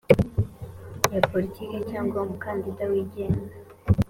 ya politiki cyangwa umukandida wigenga